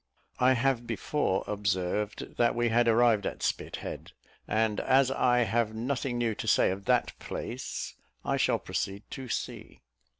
I have before observed that we had arrived at Spithead, and as I have nothing new to say of that place, I shall proceed to sea.